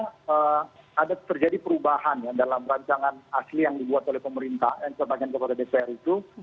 nah secara tata kelola sebenarnya ada terjadi perubahan ya dalam perancangan asli yang dibuat oleh pemerintah yang terpakai oleh dpr itu